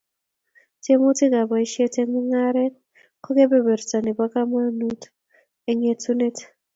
Tiemutikab boishet eng mung'aret ko kebeberta nebo kamang'unet eng etunet